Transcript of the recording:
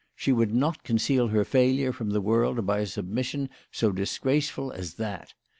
She would not conceal her failure from the world by submission so disgraceful as that.